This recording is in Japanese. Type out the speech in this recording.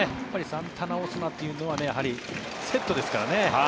サンタナ、オスナというのはやはりセットですからね。